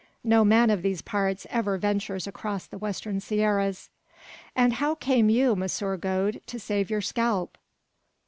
No man of these parts ever ventures across the western Sierras." "And how came you, Monsieur Gode, to save your scalp?"